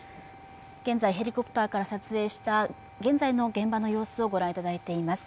現在ヘリコプターから撮影した、現在の現場の様子をご覧いただいています。